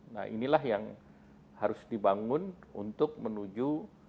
nah inilah yang harus dibangun untuk menuju